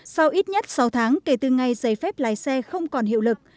sau ít nhất sáu tháng kể từ ngày giấy phép lái xe không còn hiệu lực